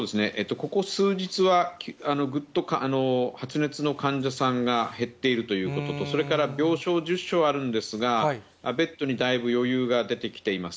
ここ数日はぐっと発熱の患者さんが減っているということと、それから病床１０床あるんですが、ベッドにだいぶ余裕が出てきています。